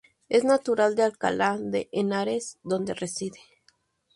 Es natural de Alcalá de Henares, donde reside.